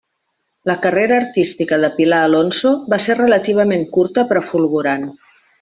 La carrera artística de Pilar Alonso va ser relativament curta però fulgurant.